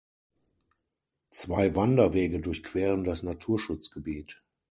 Zwei Wanderwege durchqueren das Naturschutzgebiet.